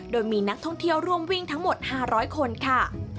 โดยมีนักท่องเที่ยวร่วมวิ่งทั้งหมด๕๐๐คนค่ะ